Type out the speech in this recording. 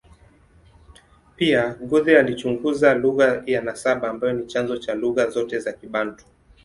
Pia, Guthrie alichunguza lugha ya nasaba ambayo ni chanzo cha lugha zote za Kibantu.